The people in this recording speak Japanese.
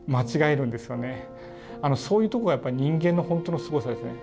そういうとこがやっぱ人間の本当のすごさですね。